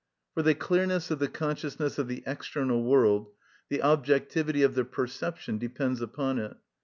For the clearness of the consciousness of the external world, the objectivity of the perception, depends upon it.